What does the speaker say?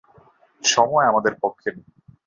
সময় আমাদের পক্ষে নেই।